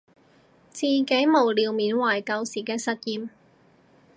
自己無聊緬懷舊時嘅實驗